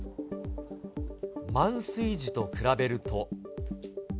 満水時と比べると。